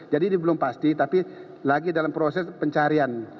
jadi ini belum pasti tapi lagi dalam proses pencarian